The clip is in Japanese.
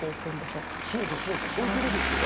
そうだそうだそういうことですよね。